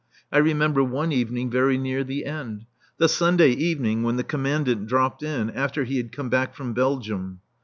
I remember one evening very near the end; the Sunday evening when the Commandant dropped in, after he had come back from Belgium.